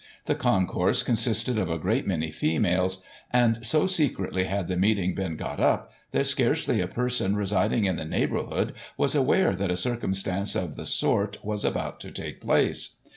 The concourse consisted of a great many females ; and so secretly had the meeting been got up, that scarcely a person residing in the neighbourhood was aware that a circumstance of the sort was about to take place.